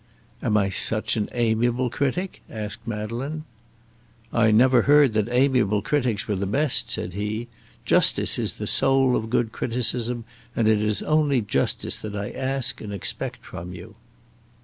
"Am I such an amiable critic?" asked Madeleine. "I never heard that amiable critics were the best," said he; "justice is the soul of good criticism, and it is only justice that I ask and expect from you."